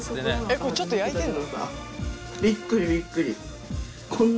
これちょっと焼いてんの？